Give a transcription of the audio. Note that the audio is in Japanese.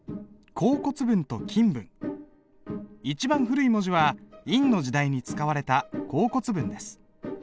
一番古い文字は殷の時代に使われた甲骨文です。